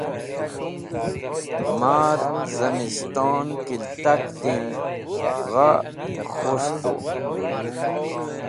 Mar zẽmiston kiltak din gha khush to.